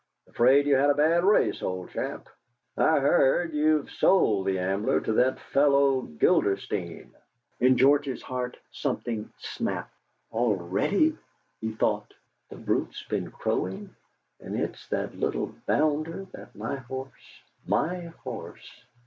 "Afraid you had a bad race, old chap! I hear you've sold the Ambler to that fellow Guilderstein." In George's heart something snapped. '.lready?' he thought. 'The brute's been crowing. And it's that little bounder that my horse my horse....'